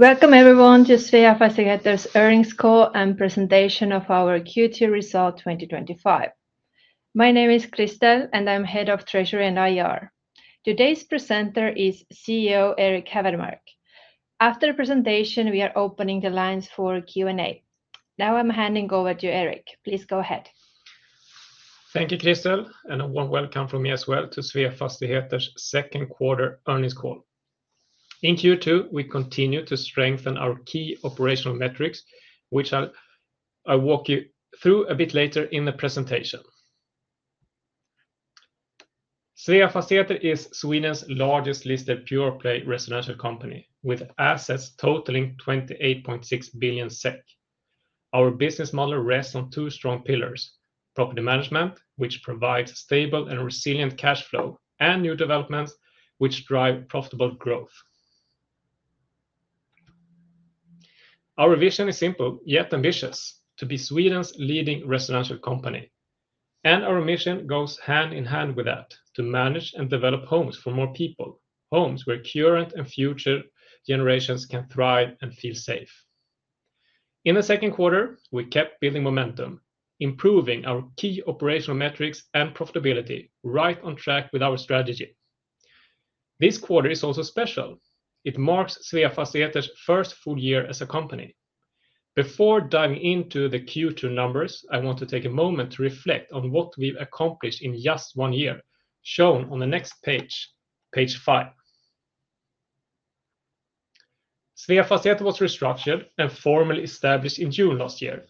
Welcome, everyone, to Sveafastigheter's Earnings Call and presentation of our Q2 Result 2025. My name is Kristel Eismann, and I'm Head of Treasury and Investor Relations. Today's presenter is CEO Erik Hävermark. After the presentation, we are opening the lines for Q&A. Now I'm handing over to Erik. Please go ahead. Thank you, Kristel, and a warm welcome from me as well to Sveafastigheter's second quarter earnings call. In Q2, we continue to strengthen our key operational metrics, which I'll walk you through a bit later in the presentation. Sveafastigheter is Sweden's largest listed pure-play residential company, with assets totaling 28.6 billion SEK. Our business model rests on two strong pillars: property management, which provides stable and resilient cash flow, and new developments, which drive profitable growth. Our vision is simple yet ambitious: to be Sweden's leading residential company. Our mission goes hand in hand with that: to manage and develop homes for more people, homes where current and future generations can thrive and feel safe. In the second quarter, we kept building momentum, improving our key operational metrics and profitability, right on track with our strategy. This quarter is also special. It marks Sveafastigheter's first full year as a company. Before diving into the Q2 numbers, I want to take a moment to reflect on what we've accomplished in just one year, shown on the next page, page 5. Sveafastigheter was restructured and formally established in June last year.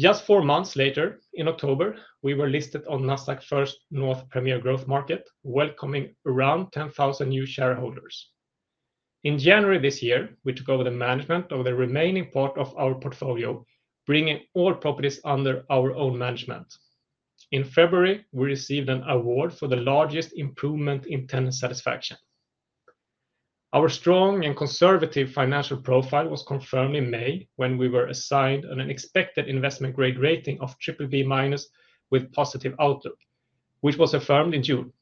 Just four months later, in October, we were listed on Nasdaq First North Premier Growth Market, welcoming around 10,000 new shareholders. In January this year, we took over the management of the remaining part of our portfolio, bringing all properties under our own management. In February, we received an award for the largest improvement in tenant satisfaction. Our strong and conservative financial profile was confirmed in May when we were assigned an expected investment grade rating of BBB- with positive outlook, which was affirmed in June.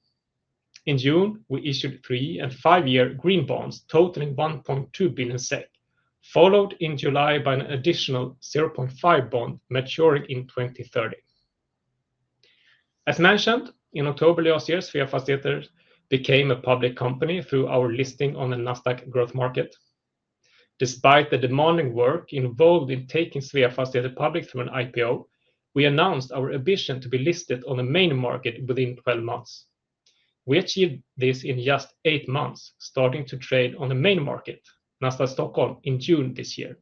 In June, we issued three and five-year green bonds totaling 1.2 billion SEK, followed in July by an additional 0.5 billion bond maturing in 2030. As mentioned, in October last year, Sveafastigheter became a public company through our listing on the Nasdaq Growth Market. Despite the demanding work involved in taking Sveafastigheter public through an IPO, we announced our ambition to be listed on the main market within 12 months. We achieved this in just eight months, starting to trade on the main market, Nasdaq Stockholm, in June this year.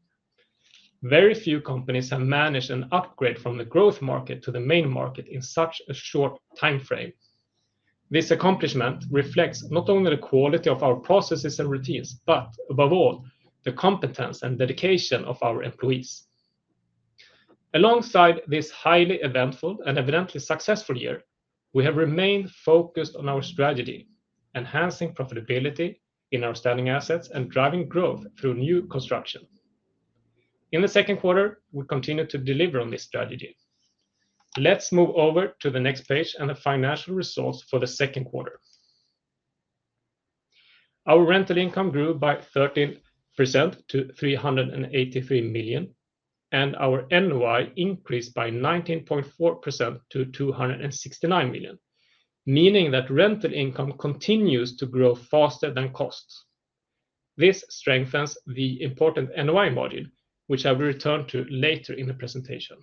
Very few companies have managed an upgrade from the growth market to the main market in such a short time frame. This accomplishment reflects not only the quality of our processes and routines, but above all, the competence and dedication of our employees. Alongside this highly eventful and evidently successful year, we have remained focused on our strategy, enhancing profitability in our standing assets and driving growth through new construction. In the second quarter, we continue to deliver on this strategy. Let's move over to the next page and the financial results for the second quarter. Our rental income grew by 13% to 383 million, and our NOI increased by 19.4% to 269 million, meaning that rental income continues to grow faster than costs. This strengthens the important NOI margin, which I will return to later in the presentation.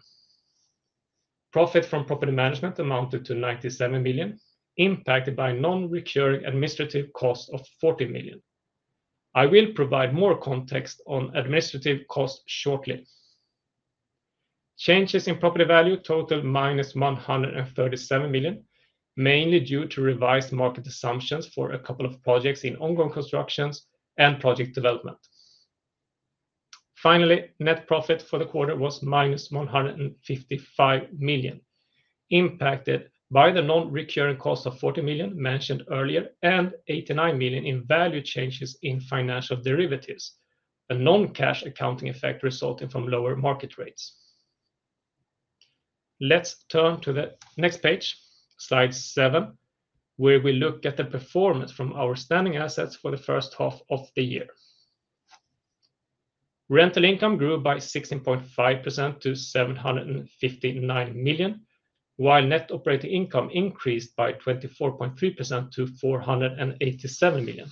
Profit from property management amounted to 97 million, impacted by non-recurring administrative costs of 40 million. I will provide more context on administrative costs shortly. Changes in property value totaled -137 million, mainly due to revised market assumptions for a couple of projects in ongoing construction and project development. Finally, net profit for the quarter was -155 million, impacted by the non-recurring cost of 40 million mentioned earlier and 89 million in value changes in financial derivatives, a non-cash accounting effect resulting from lower market rates. Let's turn to the next page, slide 7, where we look at the performance from our standing assets for the first half of the year. Rental income grew by 16.5% to 759 million, while net operating income increased by 24.3% to 487 million.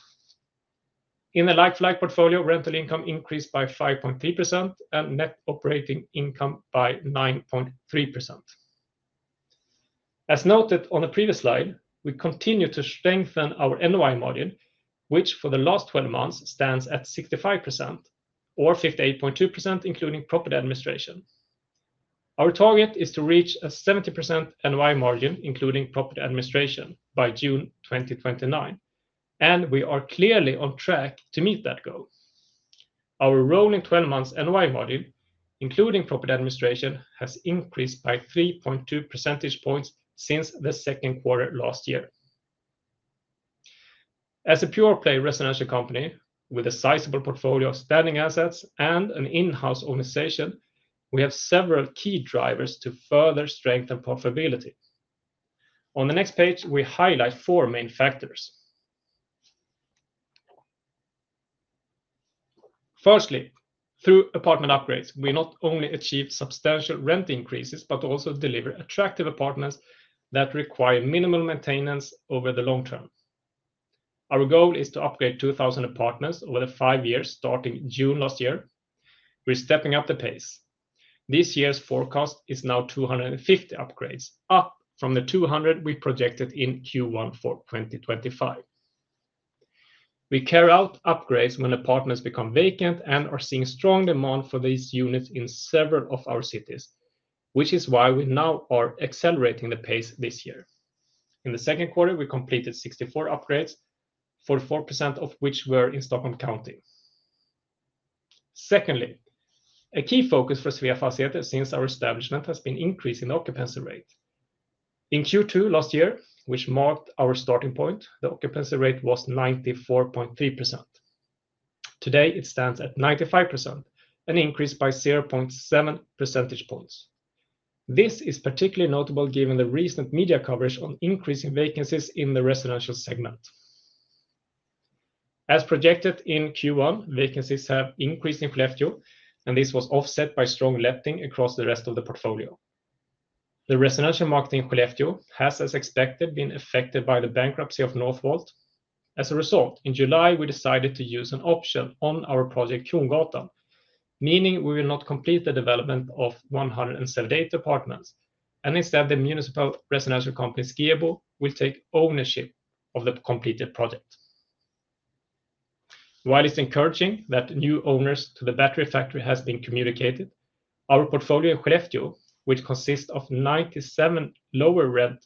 In the like-for-like portfolio, rental income increased by 5.3% and net operating income by 9.3%. As noted on the previous slide, we continue to strengthen our NOI margin, which for the last 12 months stands at 65%, or 58.2% including property administration. Our target is to reach a 70% NOI margin, including property administration, by June 2029, and we are clearly on track to meet that goal. Our rolling 12-month NOI margin, including property administration, has increased by 3.2 percentage points since the second quarter last year. As a pure-play residential company, with a sizable portfolio of standing assets and an in-house organization, we have several key drivers to further strengthen profitability. On the next page, we highlight four main factors. Firstly, through apartment upgrades, we not only achieve substantial rent increases but also deliver attractive apartments that require minimal maintenance over the long term. Our goal is to upgrade 2,000 apartments over the five years starting June last year. We're stepping up the pace. This year's forecast is now 250 upgrades, up from the 200 we projected in Q1 for 2025. We carry out upgrades when apartments become vacant and are seeing strong demand for these units in several of our cities, which is why we now are accelerating the pace this year. In the second quarter, we completed 64 upgrades, 44% of which were in Stockholm County. Secondly, a key focus for Sveafastigheter since our establishment has been increasing occupancy rates. In Q2 last year, which marked our starting point, the occupancy rate was 94.3%. Today, it stands at 95%, an increase by 0.7 percentage points. This is particularly notable given the recent media coverage on increasing vacancies in the residential segment. As projected in Q1, vacancies have increased in Skellefteå, and this was offset by strong lifting across the rest of the portfolio. The residential market in Skellefteå has, as expected, been affected by the bankruptcy of Northvolt. As a result, in July, we decided to use an option on our project, Kungsgatan, meaning we will not complete the development of 178 apartments, and instead, the municipal residential company Skebo will take ownership of the completed project. While it's encouraging that new owners to the battery factory have been communicated, our portfolio in Skellefteå, which consists of 97 lower-rent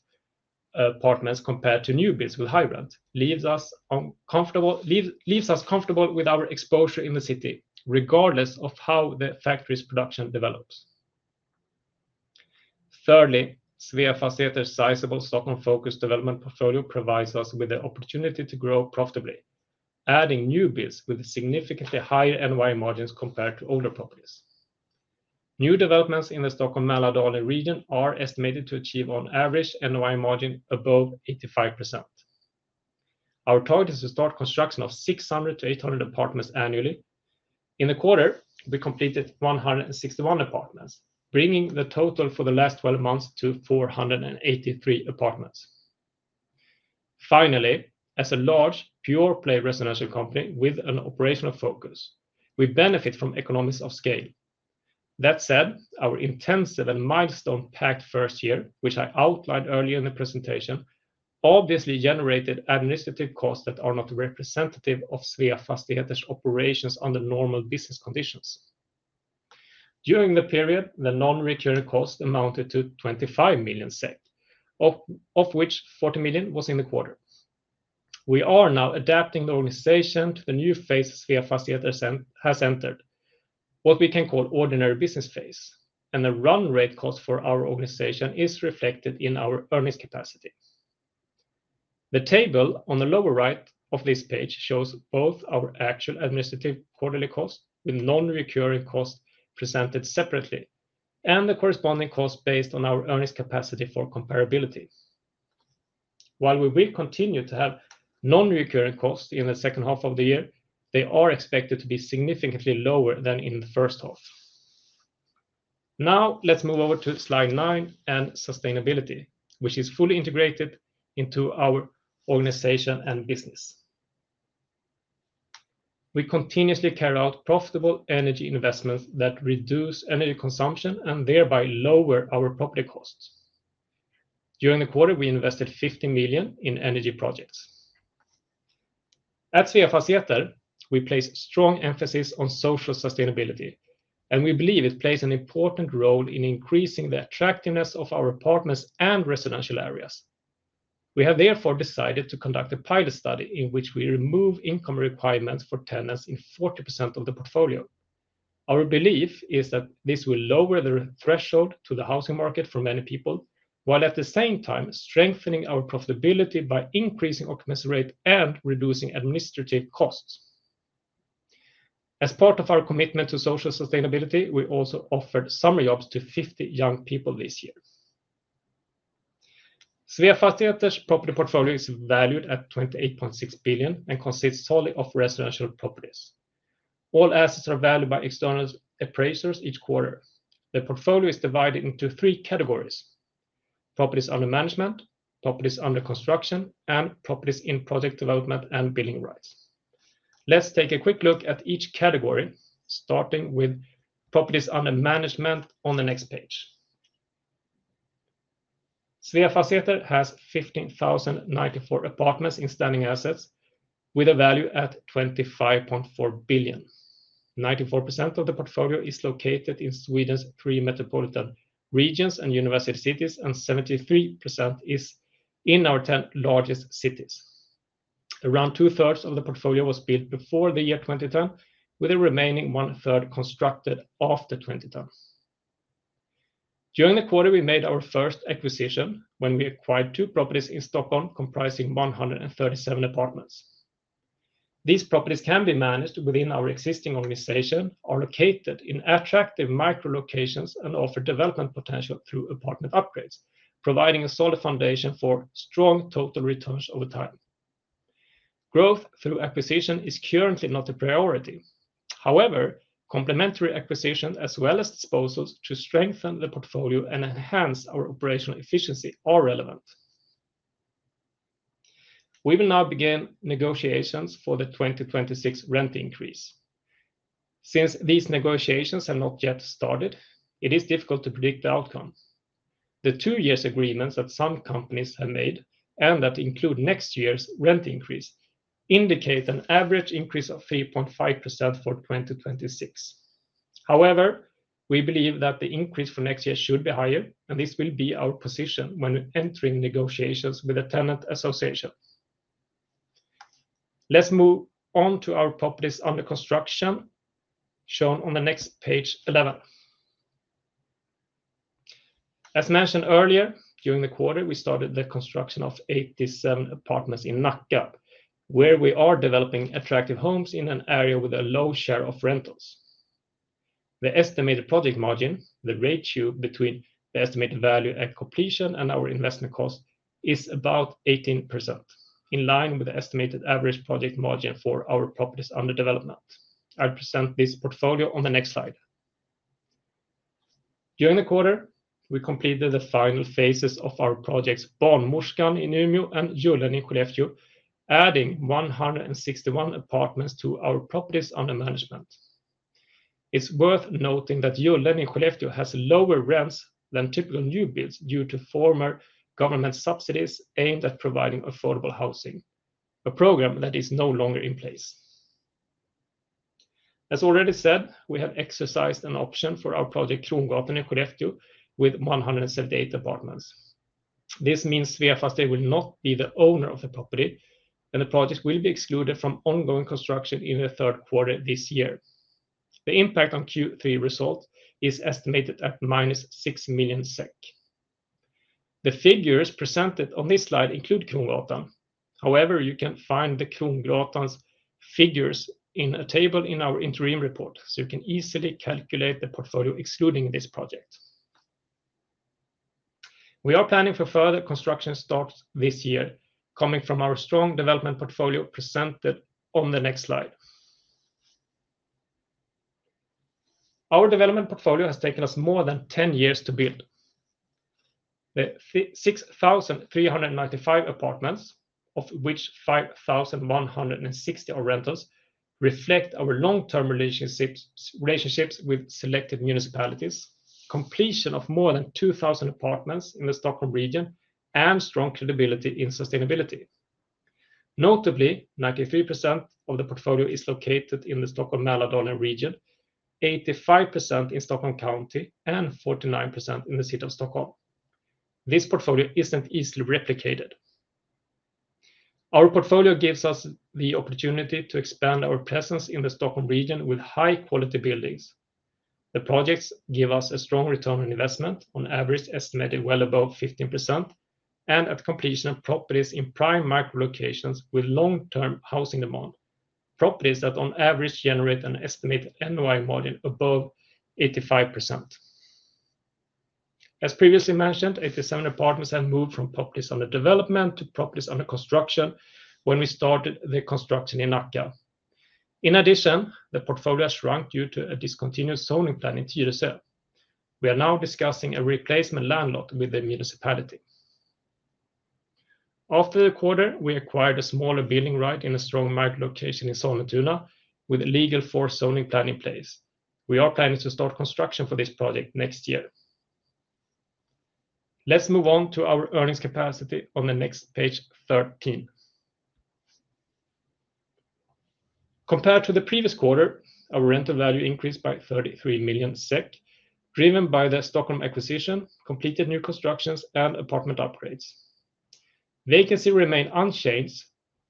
apartments compared to newbies with high rent, leaves us comfortable with our exposure in the city, regardless of how the factory's production develops. Thirdly, Sveafastigheter's sizable Stockholm-focused development portfolio provides us with the opportunity to grow profitably, adding newbies with significantly higher NOI margins compared to older properties. New developments in the Stockholm-Mälardalen region are estimated to achieve, on average, NOI margin above 85%. Our target is to start construction of 600-800 apartments annually. In a quarter, we completed 161 apartments, bringing the total for the last 12 months to 483 apartments. Finally, as a large pure-play residential company with an operational focus, we benefit from economics of scale. That said, our intensive and milestone-packed first year, which I outlined earlier in the presentation, obviously generated administrative costs that are not representative of Sveafastigheter's operations under normal business conditions. During the period, the non-recurring costs amounted to 25 million SEK, of which 40 million was in the quarter. We are now adapting the organization to the new phase Sveafastigheter has entered, what we can call ordinary business phase, and the run rate cost for our organization is reflected in our earnings capacity. The table on the lower right of this page shows both our actual administrative quarterly costs with non-recurring costs presented separately, and the corresponding costs based on our earnings capacity for comparability. While we will continue to have non-recurring costs in the second half of the year, they are expected to be significantly lower than in the first half. Now, let's move over to slide 9 and sustainability, which is fully integrated into our organization and business. We continuously carry out profitable energy investments that reduce energy consumption and thereby lower our property costs. During the quarter, we invested 50 million in energy projects. At Sveafastigheter, we place strong emphasis on social sustainability, and we believe it plays an important role in increasing the attractiveness of our apartments and residential areas. We have therefore decided to conduct a pilot study in which we remove income requirements for tenants in 40% of the portfolio. Our belief is that this will lower the threshold to the housing market for many people, while at the same time strengthening our profitability by increasing occupancy rate and reducing administrative costs. As part of our commitment to social sustainability, we also offered summer jobs to 50 young people this year. Sveafastigheter's property portfolio is valued at 28.6 billion and consists solely of residential properties. All assets are valued by external appraisers each quarter. The portfolio is divided into three categories: properties under management, properties under construction, and properties in project development and building rights. Let's take a quick look at each category, starting with properties under management on the next page. Sveafastigheter has 15,094 apartments in standing assets with a value at 25.4 billion. 94% of the portfolio is located in Sweden's three metropolitan regions and university cities, and 73% is in our 10 largest cities. Around 2/3 of the portfolio was built before the year 2010, with the remaining one-third constructed after 2010. During the quarter, we made our first acquisition when we acquired two properties in Stockholm comprising 137 apartments. These properties can be managed within our existing organization, are located in attractive micro-locations, and offer development potential through apartment upgrades, providing a solid foundation for strong total returns over time. Growth through acquisition is currently not a priority. However, complementary acquisitions, as well as disposals to strengthen the portfolio and enhance our operational efficiency, are relevant. We will now begin negotiations for the 2026 rent increase. Since these negotiations have not yet started, it is difficult to predict the outcome. The two-year agreements that some companies have made and that include next year's rent increase indicate an average increase of 3.5% for 2026. However, we believe that the increase for next year should be higher, and this will be our position when entering negotiations with the tenant association. Let's move on to our properties under construction, shown on the next page 11. As mentioned earlier, during the quarter, we started the construction of 87 apartments in Nacka, where we are developing attractive homes in an area with a low share of rentals. The estimated project margin, the ratio between the estimated value at completion and our investment cost, is about 18%, in line with the estimated average project margin for our properties under development. I'll present this portfolio on the next slide. During the quarter, we completed the final phases of our projects Barnmorskan in Umeå and Jullen in Skellefteå, adding 161 apartments to our properties under management. It's worth noting that Jullen in Skellefteå has lower rents than typical newbies due to former government subsidies aimed at providing affordable housing, a program that is no longer in place. As already said, we have exercised an option for our project Kungsgatan in Skellefteå with 178 apartments. This means Sveafastigheter will not be the owner of the property, and the project will be excluded from ongoing construction in the third quarter this year. The impact on Q3 results is estimated at -6 million SEK. The figures presented on this slide include Kungsgatan. However, you can find the Kungsgatan project's figures in a table in our interim report, so you can easily calculate the portfolio excluding this project. We are planning for further construction starts this year, coming from our strong development portfolio presented on the next slide. Our development portfolio has taken us more than 10 years to build. The 6,395 apartments, of which 5,160 are rentals, reflect our long-term relationships with selected municipalities, completion of more than 2,000 apartments in the Stockholm region, and strong credibility in sustainability. Notably, 93% of the portfolio is located in the Stockholm-Mälardalen region, 85% in Stockholm County, and 49% in the city of Stockholm. This portfolio isn't easily replicated. Our portfolio gives us the opportunity to expand our presence in the Stockholm region with high-quality buildings. The projects give us a strong return on investment, on average estimated well above 15%, and at completion of properties in prime micro-locations with long-term housing demand, properties that on average generate an estimated NOI margin above 85%. As previously mentioned, 87 apartments have moved from properties under development to properties under construction when we started the construction in Nacka. In addition, the portfolio has shrunk due to a discontinued zoning plan in Tyresö. We are now discussing a replacement land lot with the municipality. After the quarter, we acquired a smaller building right in a strong micro-location in Sollentuna with legal zoning plan in place. We are planning to start construction for this project next year. Let's move on to our earnings capacity on the next page, 13. Compared to the previous quarter, our rental value increased by 33 million SEK, driven by the Stockholm acquisition, completed new constructions, and apartment upgrades. Vacancy remained unchanged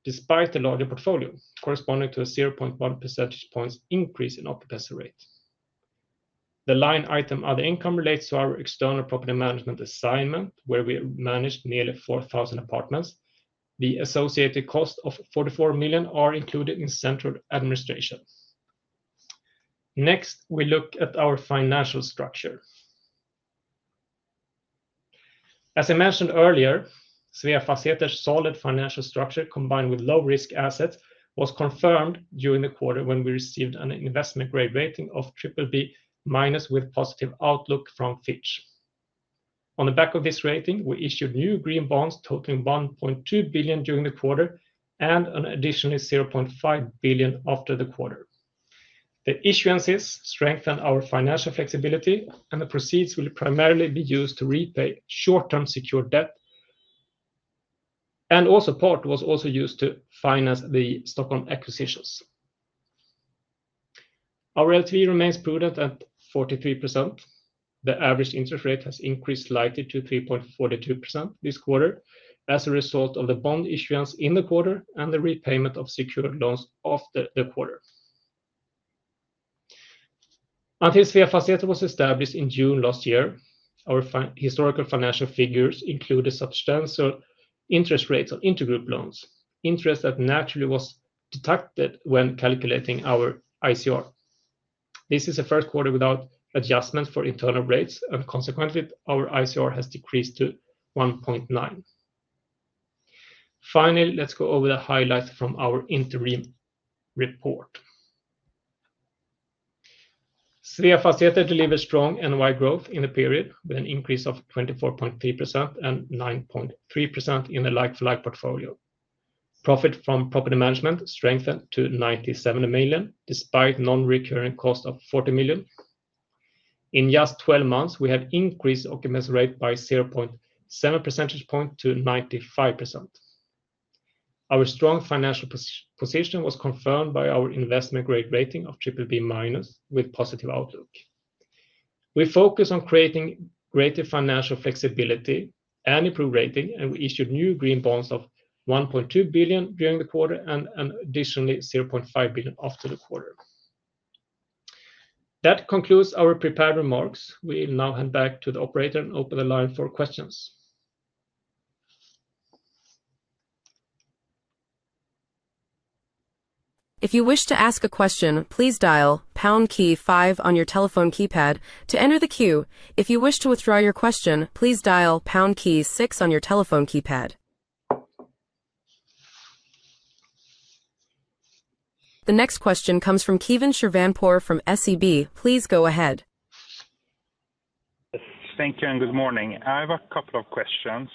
despite the larger portfolio, corresponding to a 0.1% increase in occupancy rate. The line item other income relates to our external property management assignment, where we managed nearly 4,000 apartments. The associated costs of 44 million are included in central administration. Next, we look at our financial structure. As I mentioned earlier, Sveafastigheter's solid financial structure combined with low-risk assets was confirmed during the quarter when we received an investment grade rating of BBB- with positive outlook from Fitch. On the back of this rating, we issued new green bonds totaling 1.2 billion during the quarter and an additional 0.5 billion after the quarter. The issuances strengthened our financial flexibility, and the proceeds will primarily be used to repay short-term secured debt, and also part was also used to finance the Stockholm acquisitions. Our LTV remains prudent at 43%. The average interest rate has increased slightly to 3.42% this quarter as a result of the bond issuance in the quarter and the repayment of secured loans after the quarter. Until Sveafastigheter was established in June last year, our historical financial figures included substantial interest rates on intergroup loans, interest that naturally was detected when calculating our ICR. This is the first quarter without adjustments for internal rates, and consequently, our ICR has decreased to 1.9. Finally, let's go over the highlights from our interim report. Sveafastigheter delivered strong NOI growth in the period with an increase of 24.3% and 9.3% in the like-for-like portfolio. Profit from property management strengthened to 97 million despite non-recurring costs of 40 million. In just 12 months, we have increased occupancy rate by 0.7 percentage points to 95%. Our strong financial position was confirmed by our investment grade rating of BBB- with positive outlook. We focused on creating greater financial flexibility and improved rating, and we issued new green bonds of 1.2 billion during the quarter and an additional 0.5 billion after the quarter. That concludes our prepared remarks. We'll now hand back to the operator and open the line for questions. If you wish to ask a question, please dial pound key five on your telephone keypad to enter the queue. If you wish to withdraw your question, please dial pound key six on your telephone keypad. The next question comes from Kevin Shirvanpour from SEB. Please go ahead. Thank you and good morning. I have a couple of questions.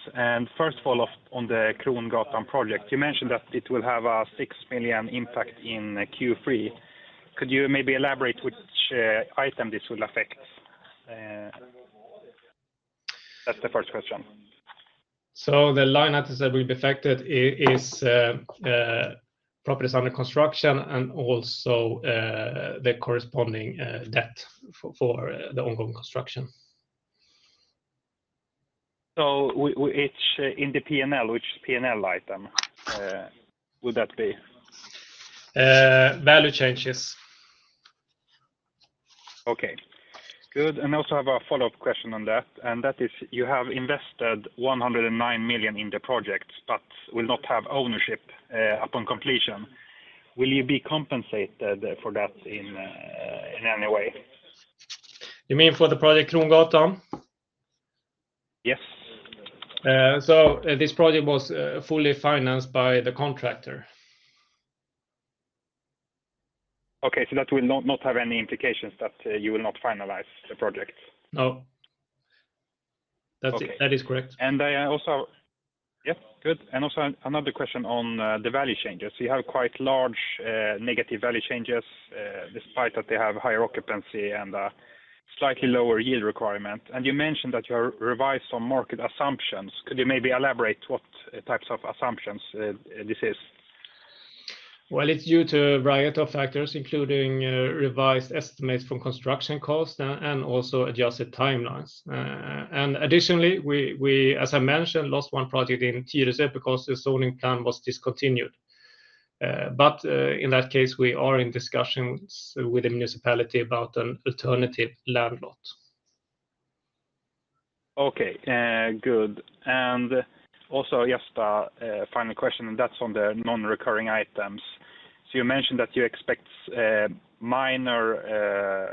First of all, on the Kungsgatan project, you mentioned that it will have a 6 million impact in Q3. Could you maybe elaborate which item this will affect? That's the first question. The line items that will be affected are properties under construction and also the corresponding debt for the ongoing construction. In the P&L, which P&L item would that be? Value changes. Okay. Good. I also have a follow-up question on that. That is, you have invested 109 million in the project, but will not have ownership upon completion. Will you be compensated for that in any way? You mean for the Kungsgatan project? Yep. This project was fully financed by the contractor. Okay. That will not have any implications that you will not finalize the project? No, that is correct. Good, also another question on the value changes. You have quite large negative value changes despite that you have higher occupancy and a slightly lower yield requirement. You mentioned that you have revised some market assumptions. Could you maybe elaborate what types of assumptions this is? It is due to a variety of factors, including revised estimates from construction costs and also adjusted timelines. Additionally, we, as I mentioned, lost one project in Tyresö because the zoning plan was discontinued. In that case, we are in discussions with the municipality about an alternative land lot. Okay. Good. Just a final question, that's on the non-recurring items. You mentioned that you expect minor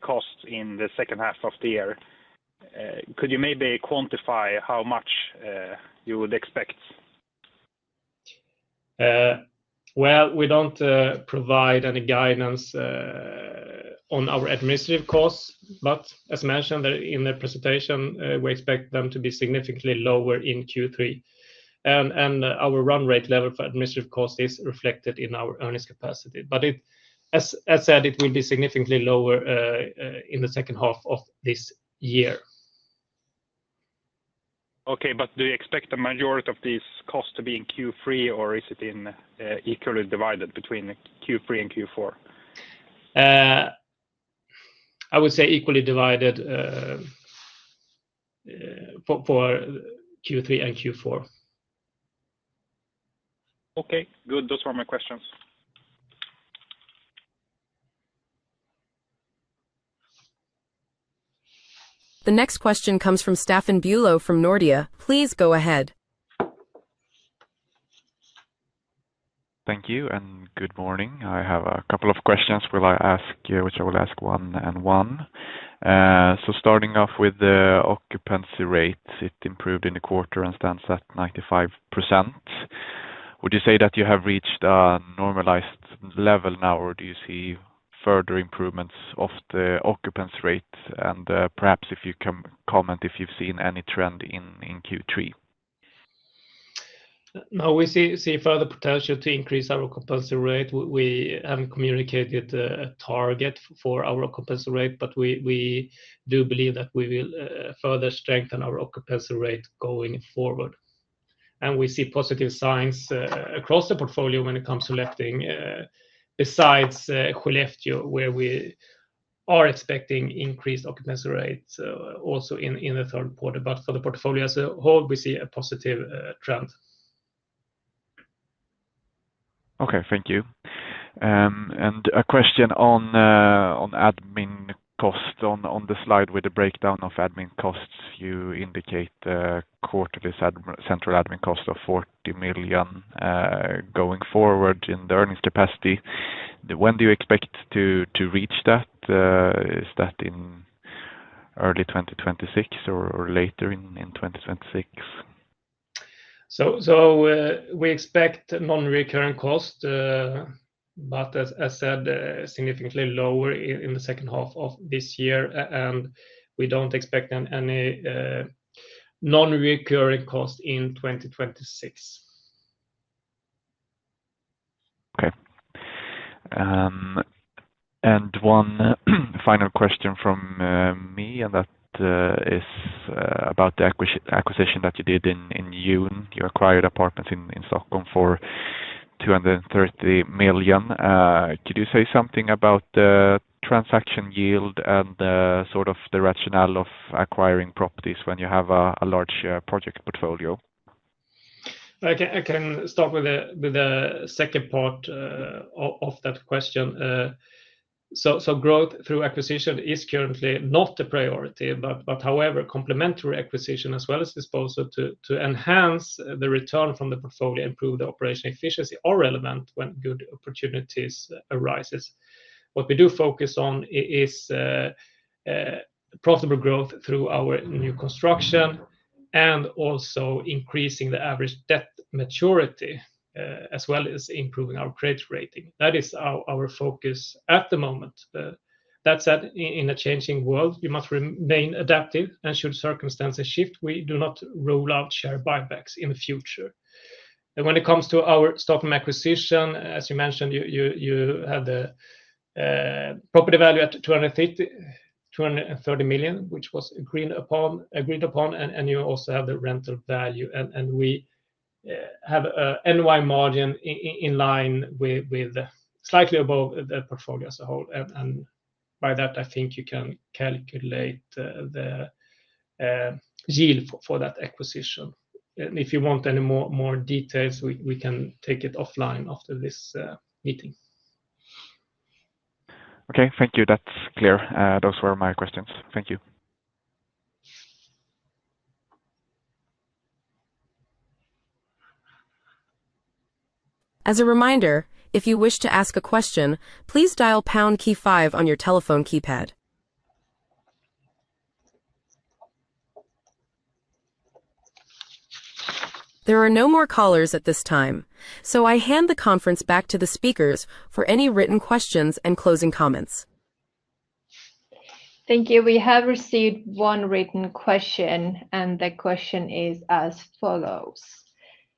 costs in the second half of the year. Could you maybe quantify how much you would expect? We don't provide any guidance on our administrative costs, but as mentioned in the presentation, we expect them to be significantly lower in Q3. Our run rate level for administrative costs is reflected in our earnings capacity, and it will be significantly lower in the second half of this year. Okay. Do you expect the majority of these costs to be in Q3, or is it equally divided between Q3 and Q4? I would say equally divided for Q3 and Q4. Okay. Good. Those were my questions. The next question comes from Stefan Bjerke from Nordea. Please go ahead. Thank you and good morning. I have a couple of questions. I will ask one and one. Starting off with the occupancy rate, it improved in the quarter and stands at 95%. Would you say that you have reached a normalized level now, or do you see further improvements of the occupancy rate? Perhaps if you can comment if you've seen any trend in Q3. No, we see further potential to increase our occupancy rate. We haven't communicated a target for our occupancy rate, but we do believe that we will further strengthen our occupancy rate going forward. We see positive signs across the portfolio when it comes to lifting, besides Skellefteå, where we are expecting increased occupancy rates also in the third quarter. For the portfolio as a whole, we see a positive trend. Okay. Thank you. A question on admin costs. On the slide with the breakdown of admin costs, you indicate quarterly central admin costs of 40 million going forward in the earnings capacity. When do you expect to reach that? Is that in early 2026 or later in 2026? We expect non-recurring costs, but as I said, significantly lower in the second half of this year. We don't expect any non-recurring costs in 2026. Okay. One final question from me, and that is about the acquisition that you did in June. You acquired apartments in Stockholm for 230 million. Could you say something about the transaction yield and sort of the rationale of acquiring properties when you have a large project portfolio? I can start with the second part of that question. Growth through acquisition is currently not a priority, however, complementary acquisitions as well as disposals to enhance the return from the portfolio and improve the operational efficiency are relevant when good opportunities arise. What we do focus on is profitable growth through our new construction and also increasing the average debt maturity as well as improving our credit rating. That is our focus at the moment. That said, in a changing world, you must remain adaptive, and should circumstances shift, we do not rule out share buybacks in the future. When it comes to our Stockholm acquisition, as you mentioned, you have the property value at 230 million, which was agreed upon, and you also have the rental value. We have an NOI margin in line with or slightly above the portfolio as a whole. By that, I think you can calculate the yield for that acquisition. If you want any more details, we can take it offline after this meeting. Okay. Thank you. That's clear. Those were my questions. Thank you. As a reminder, if you wish to ask a question, please dial pound key five on your telephone keypad. There are no more callers at this time. I hand the conference back to the speakers for any written questions and closing comments. Thank you. We have received one written question, and the question is as follows.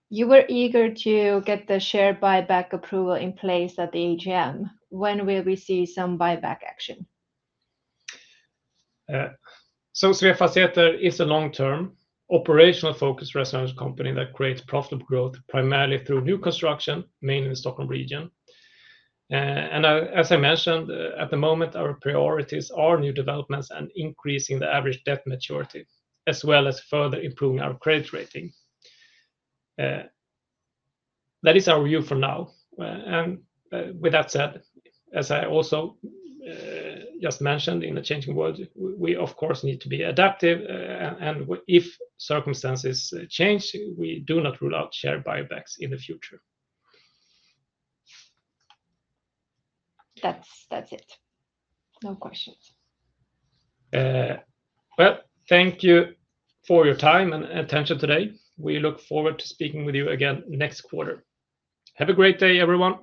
You were eager to get the share buyback approval in place at the AGM. When will we see some buyback action? Sveafastigheter is a long-term, operational-focused residential company that creates profitable growth primarily through new construction, mainly in the Stockholm region. As I mentioned, at the moment, our priorities are new developments and increasing the average debt maturity, as well as further improving our credit rating. That is our view for now. With that said, as I also just mentioned, in a changing world, we, of course, need to be adaptive. If circumstances change, we do not rule out share buybacks in the future. That's it. No questions. Thank you for your time and attention today. We look forward to speaking with you again next quarter. Have a great day, everyone.